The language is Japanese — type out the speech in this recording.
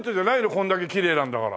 こんだけきれいなんだから。